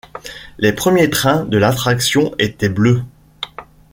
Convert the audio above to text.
Les premiers trains de l’attraction étaient bleus.